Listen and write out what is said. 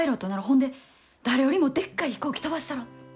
ほんで誰よりもでっかい飛行機飛ばしたろ。